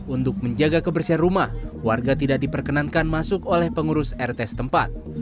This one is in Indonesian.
untuk menjaga kebersihan rumah warga tidak diperkenankan masuk oleh pengurus rt setempat